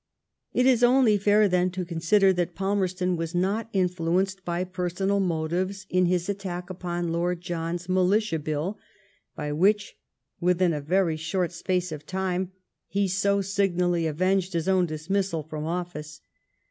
It is only fair then to consider that Palmerston was not influenced by personal motives in his attack upon Lord John's Militia Bill, by which, within a very short apace of time, he so signally avenged bis own dismissal from office.